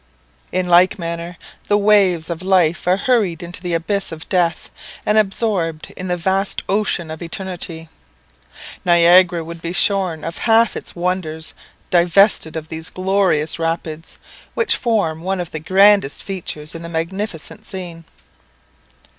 In like manner the waves of life are hurried into the abyss of death, and absorbed in the vast ocean of eternity. Niagara would be shorn of half its wonders divested of these glorious Rapids, which form one of the grandest features in the magnificent scene.